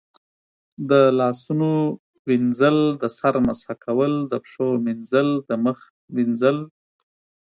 د لاسونو وینځل، د سر مسح کول، د پښو مینځل، د مخ وینځل